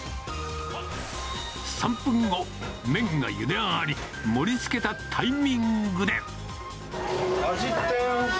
３分後、麺がゆで上がり、盛りつけたタイミングで。